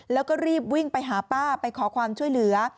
แล้วก็รีบวิ่งไปหาป้าไปขอความช่วยเหลือ